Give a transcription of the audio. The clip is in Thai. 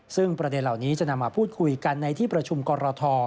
ซึ่งประเด็นเหล่านี้จะนำมาพูดคุยกันในที่ประชุมกรท